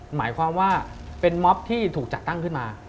หมายความว่าเป็นม็อบที่ถูกจัดตั้งขึ้นมา